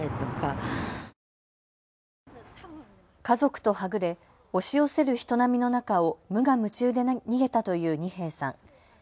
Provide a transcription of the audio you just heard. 家族とはぐれ押し寄せる人波の中を無我夢中で逃げたという二瓶さん。